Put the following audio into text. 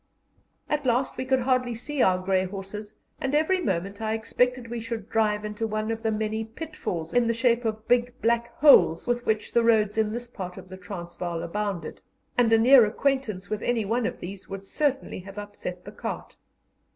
At last we could hardly see our grey horses, and every moment I expected we should drive into one of the many pitfalls in the shape of big black holes with which the roads in this part of the Transvaal abounded, and a near acquaintance with any one of these would certainly have upset the cart.